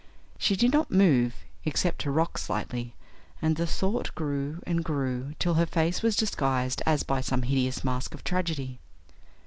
She did not move, except to rock slightly, and the Thought grew and grew till her face was disguised as by some hideous mask of tragedy.